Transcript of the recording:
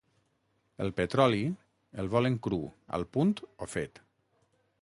El petroli, el volen cru, al punt o fet?